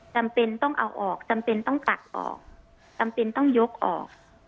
จำเป็นต้องเอาออกจำเป็นต้องตัดออกจำเป็นต้องยกออก